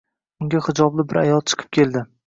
Unga hijobli bir ayol chiqib keldi.